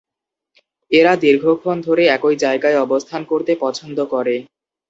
এরা দীর্ঘক্ষণ ধরে একই জায়গায় অবস্থান করতে পছন্দ করে।